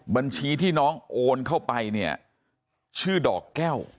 บัญชีที่น้องโอนเข้าไปเนี่ยชื่อดอกแก้ว